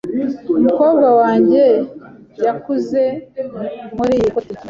Umukobwa wanjye yakuze muriyi koti.